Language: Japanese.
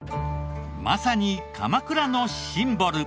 まさに鎌倉のシンボル。